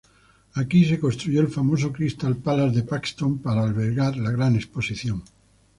Aquí se construyó el famoso Cristal Palace de Paxton para albergar la gran exposición.